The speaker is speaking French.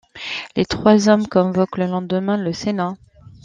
Les trois hommes convoquent le lendemain le Sénat.